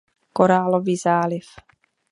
Korálový záliv.